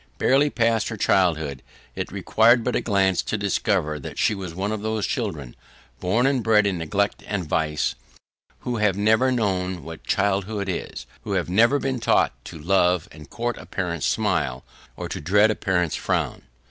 Barely past her childhood, it required but a glance to discover that she was one of those children, born and bred in neglect and vice, who have never known what childhood is: who have never been taught to love and court a parent's smile, or to dread a parent's frown.